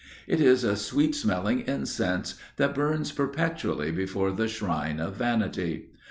It is a sweet smelling incense that burns perpetually before the shrine of vanity.